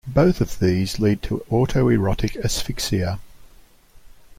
Both of these lead to autoerotic asphyxia.